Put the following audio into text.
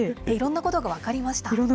いろんなことが分かりました。